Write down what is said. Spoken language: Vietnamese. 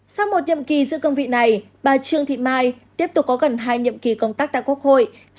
sau một nhiệm kỳ giữ cương vị này bà trương thị mai tiếp tục có gần hai nhiệm kỳ công tác tại quốc hội